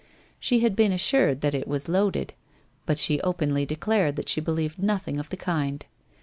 She had been assured that it was loaded, but she openly declared that she believed nothing of the kind.